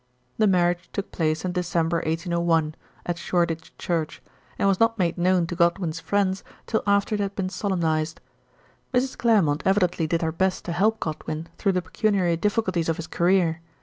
The marriage took place in December 1801, at Shoreditch Church, and was not made known to Godwin's friends till after it had been solemnised. Mrs. Clairmont evidently did her best to help Godwin through the pecuniary difficulties of his career.